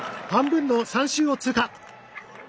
半分の３周を通過。